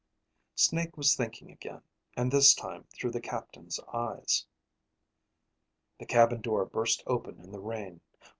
Snake was thinking again, and this time through the captain's eyes. _The cabin door burst open in the rain.